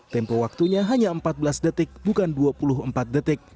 tempo waktunya hanya empat belas detik bukan dua puluh empat detik